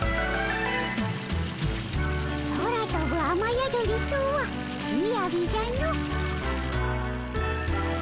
空とぶあまやどりとはみやびじゃの。